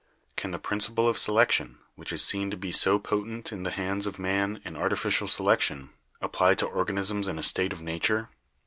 Can the principle of selection, which is seen to be so potent in the hands of man in artificial selection, apply to organisms in a state of nature?